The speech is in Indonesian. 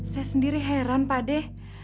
saya sendiri heran pak de